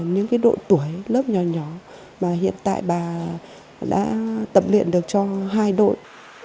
những cái đội tuổi lớp nhỏ nhỏ mà hiện tại bà đã tập luyện được cho hai đội